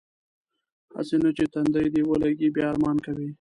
هسې نه چې تندی دې ولږي بیا ارمان کوې.